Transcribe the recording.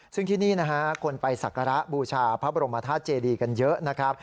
ซึ่งที่นี่คนไปสัคระบูชาพระบรมภาษาเจฬีกันเยอะ